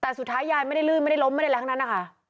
แต่สุดท้ายยายไม่ได้ลื่นไม่ได้ล้มไม่ได้แรงทั้งนั้นนะคะ